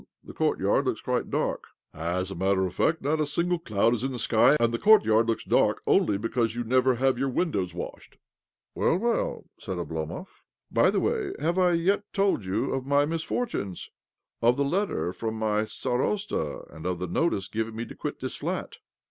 The courtyard looks quite dark," " As a matter of fact, not a single cloud is in the sky, and the oourtyar^d looks dark only because you never have your windows washed." 4б OBLOMOV " Well, well 1 " said Oblomov. " By the way, have I yet told you of my misfortunes —of the letter from my starosta, and of the notice given me to quit this flat